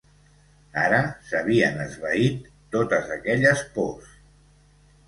Ara s'havien esvaït totes aquelles pors.